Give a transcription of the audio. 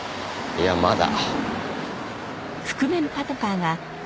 いやまだ。